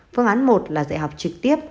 phương án một là dạy học trực tiếp